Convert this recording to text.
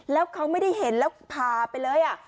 แล้วเขาไม่ได้เห็นแล้วพาไปเลย